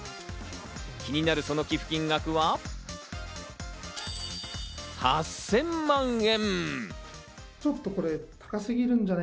気になるその寄付金額は、８０００万円。